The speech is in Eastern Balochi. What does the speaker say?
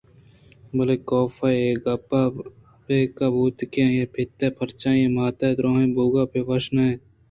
بلئے کاف اے گپ ءَ ابکّہ بوت کہ آئی ءِ پت پرچہ آئی ءِ مات ءِدُرٛاہ بوئگءَ پہ وش نہ اِنت